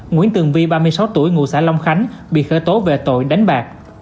nguyễn tường vi ba mươi sáu tuổi ngụ xã long khánh bị khởi tố về tội đánh bạc